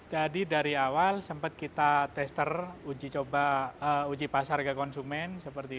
jadi dari awal sempat kita tester uji pasar ke konsumen